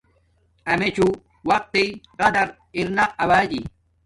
امیچوں وقت تݵ قدر ارنا آوجی